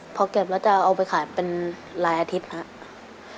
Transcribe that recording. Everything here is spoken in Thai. พอเก็บแล้วจะเอาไปขายเป็นหลายอาทิตย์ครับ